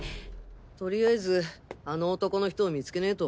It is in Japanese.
とりあえずあの男の人を見つけねと。